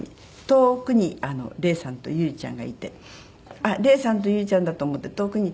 遠くに礼さんと由利ちゃんがいてあっ礼さんと由利ちゃんだと思って遠くに。